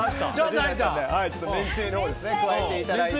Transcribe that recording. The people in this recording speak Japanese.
めんつゆを加えていただいて。